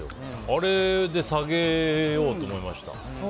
あれで下げようと思いました。